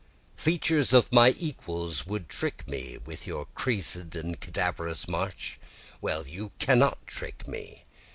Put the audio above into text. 3 Features of my equals would you trick me with your creas'd and cadaverous march? Well, you cannot trick me.